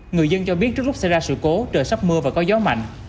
người dân cho biết trước lúc xảy ra sự cố trời sắp mưa và có gió mạnh